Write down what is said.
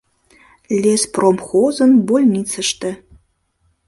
Леспромхозын больницыште...